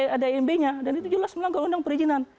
jadi ada imb nya dan itu jelas melanggar undang perizinan